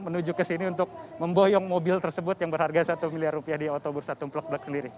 dan menuju ke sini untuk memboyong mobil tersebut yang berharga satu miliar rupiah di otobursa tumpulak black sendiri